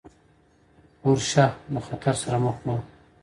پورشه د خطر سره مخ وه.